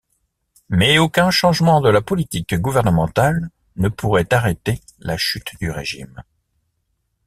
Mais aucun changement de la politique gouvernementale ne pourrait arrêter la chute du régime.